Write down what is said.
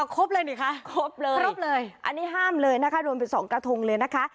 ครบเลยหรือคะครบเลยอันนี้ห้ามเลยนะคะโดนเป็น๒กระทงเลยนะคะ